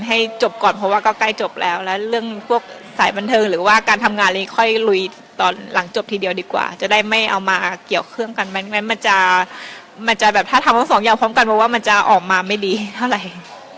ให้จบก่อนเพราะว่าก็ใกล้จบแล้วแล้วเรื่องพวกสายบันเทิงหรือว่าการทำงานนี้ค่อยลุยตอนหลังจบทีเดียวดีกว่าจะได้ไม่เอามาเกี่ยวเครื่องกันไม่งั้นมันจะมันจะแบบถ้าทำทั้งสองอย่างพร้อมกันเพราะว่ามันจะออกมาไม่ดีเท่าไหร่